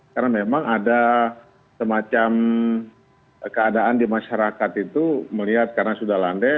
karena memang ada semacam keadaan di masyarakat itu melihat karena sudah landai